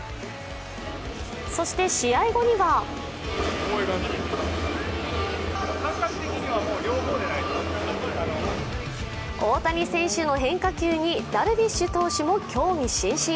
そして試合後には大谷選手の変化球にダルビッシュ投手も興味津々。